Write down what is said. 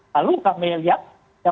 lalu kami lihat